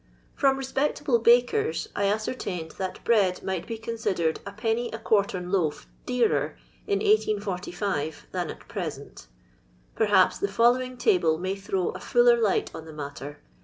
From respectable bakers I ascertained that bread might be considered \d. a quartem loaf dearer in 1845 than at present Perhaps the follow ing table may throw a fuller light on the matter.